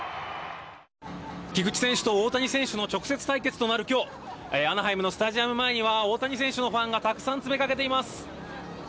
菊池選手と大谷選手の直接対決となる今日アナハイムのスタジアム前には大谷選手のファンがたくさん詰めかけています。